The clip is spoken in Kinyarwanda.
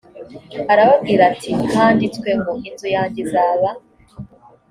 arababwira ati handitswe ngo inzu yanjye izaba